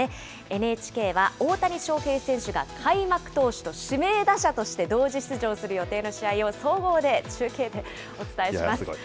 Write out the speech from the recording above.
ＮＨＫは大谷翔平選手が開幕投手と指名打者として同時出場する予定の試合を、総合で中継でお伝えします。